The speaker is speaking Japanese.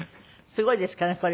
すごいですかね？